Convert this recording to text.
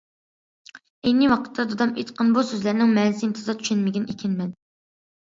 ئەينى ۋاقىتتا دادام ئېيتقان بۇ سۆزلەرنىڭ مەنىسىنى تازا چۈشەنمىگەن ئىكەنمەن.